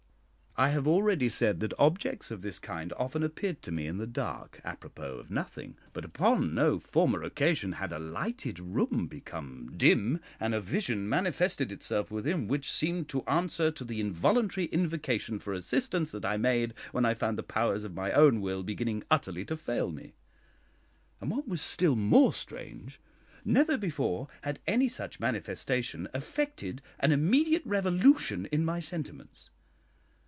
I have already said that objects of this kind often appeared to me in the dark, apropos of nothing; but upon no former occasion had a lighted room become dim, and a vision manifested itself within which seemed to answer to the involuntary invocation for assistance that I made when I found the powers of my own will beginning utterly to fail me; and, what was still more strange, never before had any such manifestation effected an immediate revolution in my sentiments.